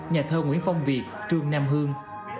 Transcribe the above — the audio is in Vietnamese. nhà thơ nguyễn phong việt trương nam hương